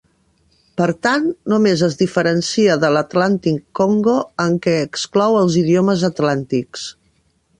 Per tant, només es diferencia de l"Atlàntic-Congo en què exclou els idiomes atlàntics.